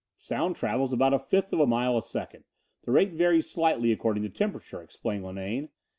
"Sound travels about a fifth of a mile a second. The rate varies slightly according to temperature," explained Linane.